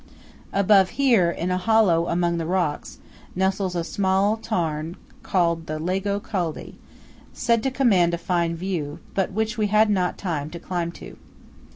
Above here, in a hollow among the rocks, nestles a small tarn called the Lago Coldai, said to command a fine view; but which we had not time to climb to.